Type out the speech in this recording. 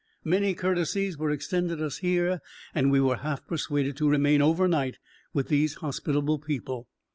Many courtesies were extended us here and we were half persuaded to remain over night with these hospitable people.